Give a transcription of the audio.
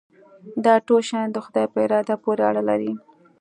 دا ټول شیان د خدای په اراده پورې اړه لري.